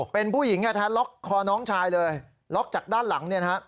เป็นผู้หญิงแทนล็อกคอน้องชายเลยล็อกจากด้านหลัง